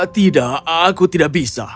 tidak aku tidak bisa